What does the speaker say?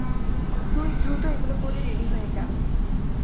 তুই দ্রুত এগুলো পড়ে রেডি হয়ে যা।